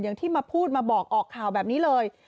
ที่มาพูดมาบอกออกข่าวแบบนี้เลย